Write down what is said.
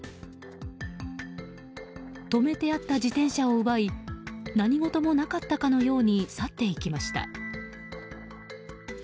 止めてあった自転車を奪い何事もなかったかのように去っていきました。